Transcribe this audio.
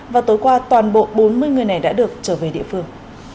và tối qua toàn bộ bốn mươi người này đã được trở về địa phương